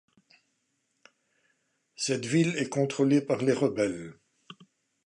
Cette ville est contrôlée par les rebelles.